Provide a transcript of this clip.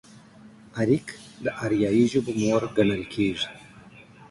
اريک د اريايي ژبو مور ګڼل کېږي.